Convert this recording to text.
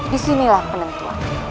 di sinilah penentuan